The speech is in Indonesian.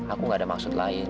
aku gak ada maksud lain